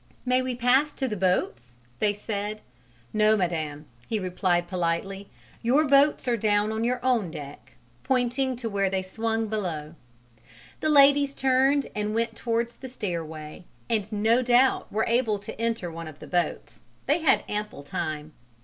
"May we pass to the boats?" they said. "No, madam," he replied politely, "your boats are down on your own deck," pointing to where they swung below. The ladies turned and went towards the stairway, and no doubt were able to enter one of the boats: they had ample time.